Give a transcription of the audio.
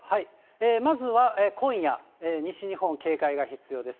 まずは今夜、西日本警戒が必要です。